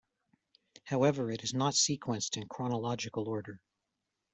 However it is not sequenced in chronological order.